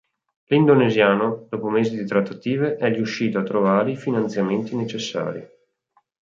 L'indonesiano, dopo mesi di trattative, è riuscito a trovare i finanziamenti necessari.